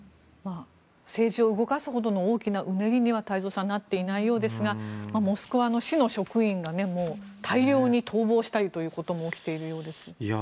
政治を動かすほどの大きなうねりには太蔵さんなっていないようですがモスクワの市の職員が大量に逃亡したりということも起きているようです。